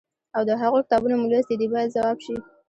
او د هغوی کتابونه مو لوستي دي باید ځواب شي.